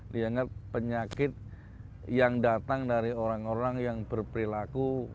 dianggap penyakit yang datang dari orang orang yang berperilaku